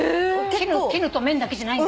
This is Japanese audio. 絹と綿だけじゃないんだ。